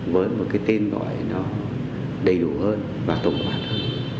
với một cái tên gọi nó đầy đủ hơn và tổng quan hơn